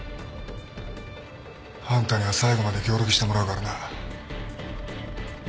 あんたには最後まで協力してもらうからな。